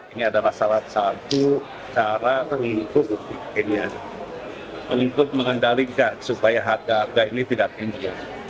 ini adalah salah satu cara untuk bikin ini untuk mengendalikan supaya harga harga ini tidak tinggi